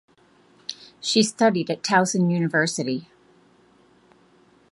She studied at Towson University.